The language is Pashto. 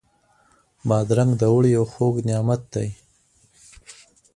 بادرنګ د اوړي یو خوږ نعمت دی.